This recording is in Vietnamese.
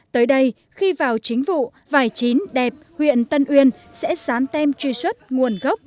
tới đây khi vào chính vụ vải chín đẹp huyện tân uyên sẽ sán tem truy xuất nguồn gốc